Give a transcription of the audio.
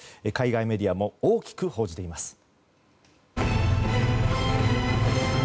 海外メディアも大きく報じています。